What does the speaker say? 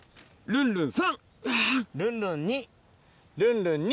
ルンルン２！